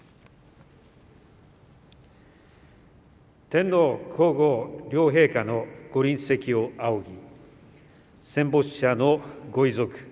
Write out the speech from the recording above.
天皇皇后両陛下のご臨席を仰ぎ戦没者のご遺族